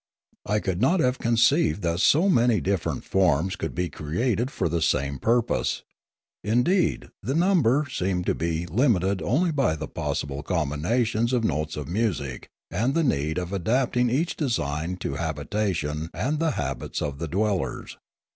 I could not have conceived that so many different forms could be created for the same purpose; indeed the number seemed to be limited only by the possible combination of notes of music and the need of adapting each design to habitation and the habits of the dwell ers.